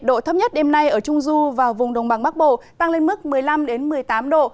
độ thấp nhất đêm nay ở trung du và vùng đồng bằng bắc bộ tăng lên mức một mươi năm một mươi tám độ